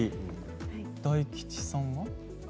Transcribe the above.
大吉さんは？